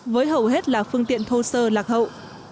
với hầu hết là phương tiện thô sơ lạc hậu